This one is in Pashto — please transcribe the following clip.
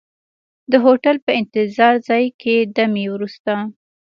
د هوټل په انتظار ځای کې دمې وروسته.